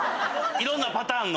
いろんなパターンの。